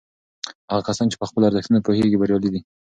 هغه کسان چې په خپلو ارزښتونو پوهیږي بریالي دي.